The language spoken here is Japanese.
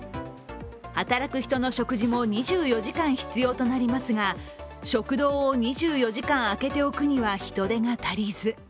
働く人の食事も２４時間必要となりますが食堂を２４時間開けておくには人手が足りず。